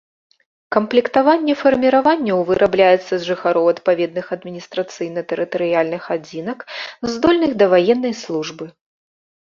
Камплектаванне фарміраванняў вырабляецца з жыхароў адпаведных адміністрацыйна-тэрытарыяльных адзінак, здольных да ваеннай службы.